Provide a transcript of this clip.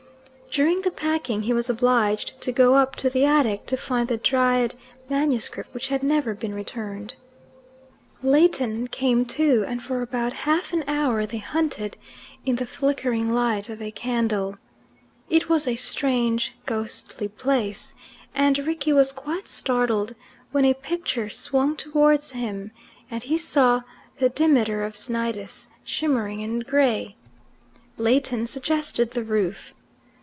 During the packing he was obliged to go up to the attic to find the Dryad manuscript which had never been returned. Leighton came too, and for about half an hour they hunted in the flickering light of a candle. It was a strange, ghostly place, and Rickie was quite startled when a picture swung towards him, and he saw the Demeter of Cnidus, shimmering and grey. Leighton suggested the roof.